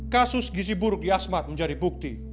kasus gizi buruk di asmat menjadi bukti